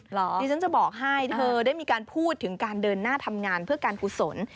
ดิฉันจะบอกให้เธอได้มีการพูดถึงการเดินหน้าทำงานเพื่อการกุศล